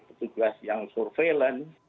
petugas yang surveillance